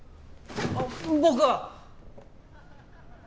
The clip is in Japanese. あっ僕は！